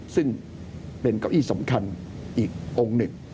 ซึ่งเป็นเก้าอี้สำคัญอีกองค์หนึ่ง